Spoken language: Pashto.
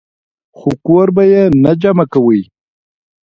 خو کور به ئې نۀ جمع کوئ -